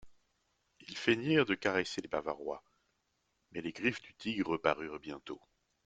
Ils feignirent de caresser les Bavarois ; mais les griffes du tigre reparurent bientôt.